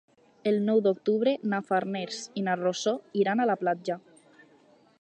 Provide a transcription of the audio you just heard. El nou d'octubre na Farners i na Rosó iran a la platja.